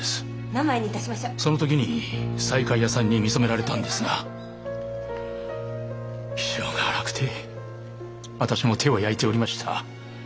その時に西海屋さんに見初められたんですが気性が荒くて私も手を焼いておりました。